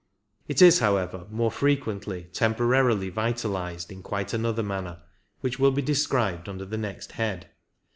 It is, however, more frequently tem porarily vitalized in quite another manner, which will be described under the next head.